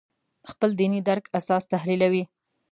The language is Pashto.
خپل دیني درک اساس تحلیلوي.